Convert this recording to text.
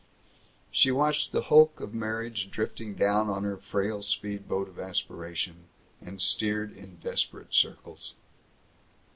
She watched the hulk of marriage drifting down on her frail speed boat of aspiration, and steered in desperate circles.